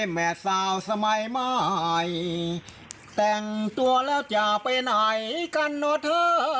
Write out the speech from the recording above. แม่สาวสมัยใหม่แต่งตัวแล้วจะไปไหนกันเนอะเธอ